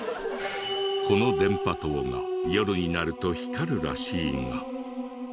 この電波塔が夜になると光るらしいが。